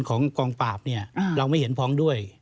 ของกองปราบเนี่ยเราไม่เห็นพ้องด้วย